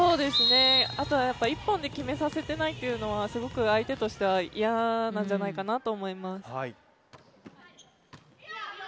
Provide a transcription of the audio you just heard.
あとは１本で決めさせていないというのはすごく相手としては嫌なんじゃないかなと思います。